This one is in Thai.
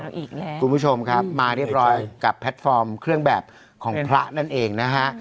อีกแล้วคุณผู้ชมครับมาเรียบร้อยกับแพลตฟอร์มเครื่องแบบของพระนั่นเองนะฮะ